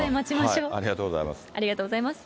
ありがとうございます。